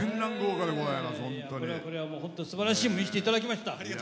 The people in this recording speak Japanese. これは、すばらしいものを見せていただきました。